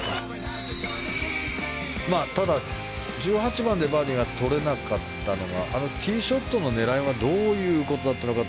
ただ、１８番でバーディーがとれなかったのがティーショットの狙いはどういうことだったのか。